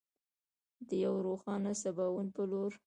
د یو روښانه سباوون په لور.